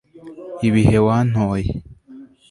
ibihe wantoye